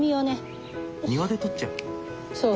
庭で取っちゃう？